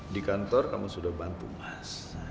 di kantor kami sudah bantu mas